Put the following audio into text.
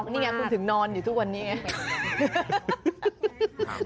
นี่ไงคุณถึงนอนอยู่ทุกวันนี้ไง